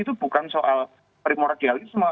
itu bukan soal primordialisme